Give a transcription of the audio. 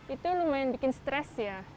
itu lumayan bikin stres ya